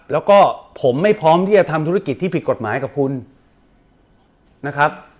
แล้วก็ผมไม่พร้อมที่จะทำธุรกิจที่ผิดกฎหมายกับคุณนะครับ